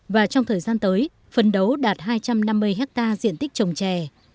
và trong thời gian tới phấn đấu đạt hai trăm năm mươi hectare diện tích trồng trè